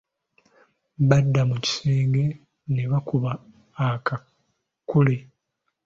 Badda mu kisenge ne bakuba akakule.